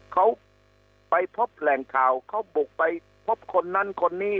เขาไปพบแหล่งข่าวเขาบุกไปพบคนนั้นคนนี้